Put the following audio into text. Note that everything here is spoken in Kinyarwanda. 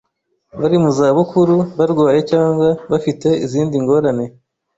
bari mu zabukuru, barwaye cyangwa bafi te izindi ngorane